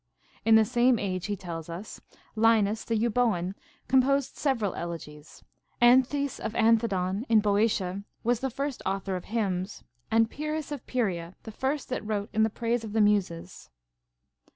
In the same age, he tells us, Linus the Euboean composed several elegies ; Anthes of Anthedon in Boeotia was the first author of hymns, and Pierus of Pieria the first that wrote in the praise of the Muses.